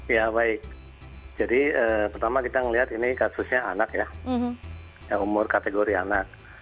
ya baik jadi pertama kita melihat ini kasusnya anak ya umur kategori anak